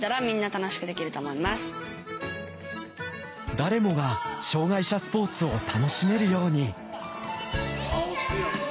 誰もが障がい者スポーツを楽しめるように・